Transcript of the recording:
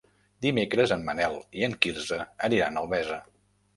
Dimecres en Manel i en Quirze aniran a Albesa.